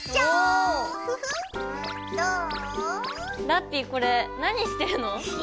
ラッピィこれ何してるの？